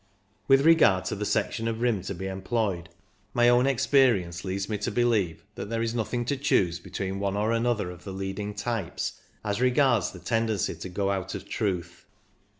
With regard to the section of rim to be employed, my own ex perience leads me to believe that there is PURELY MECHANICAL 233 nothing to choose between one or another of the leading tjrpes as regards the ten dency to go out of truth.